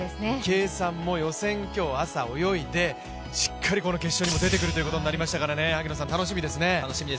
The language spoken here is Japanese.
池江さんも予選、今朝泳いでしっかりこの決勝にも出てくるということになりましたから楽しみですね。